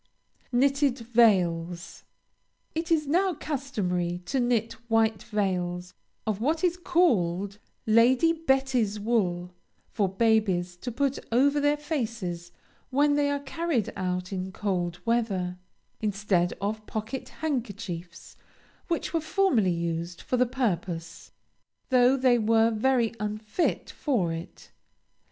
KNITTED VEILS. It is now customary to knit white veils of what is called Lady Betty's wool, for babies to put over their faces when they are carried out in cold weather, instead of pocket handkerchiefs, which were formerly used for the purpose, though they were very unfit for it.